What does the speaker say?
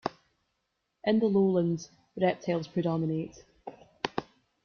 In the lowlands, reptiles predominate.